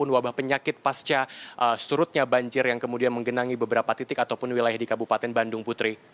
wabah penyakit pasca surutnya banjir yang kemudian menggenangi beberapa titik ataupun wilayah di kabupaten bandung putri